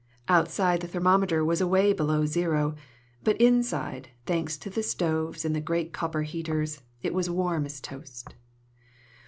Outside, the thermometer was away below zero, but inside, thanks to the stoves and the great copper heaters, it was as warm as toast.